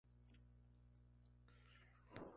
Así, Kenny creció para despreciar a Clark.